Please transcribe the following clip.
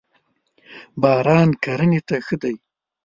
باران کرنی ته ښه دی.